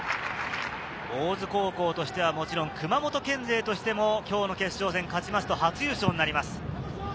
大津高校としては熊本県勢としても今日の決勝戦を勝ちますと初優勝になります。